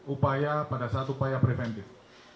upaya pada saat upaya preventif